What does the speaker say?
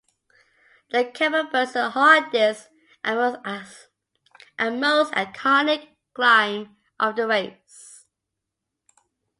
The Kemmelberg is the hardest and most iconic climb of the race.